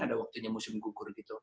ada waktunya musim gugur